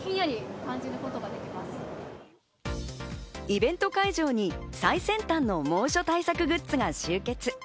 イベント会場に最先端の猛暑対策グッツが集結。